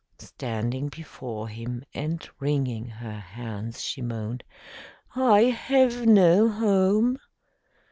Standing before him and wringing her hands, she moaned, "I have no home."